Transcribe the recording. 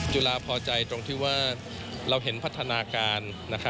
จุฬาพอใจตรงที่ว่าเราเห็นพัฒนาการ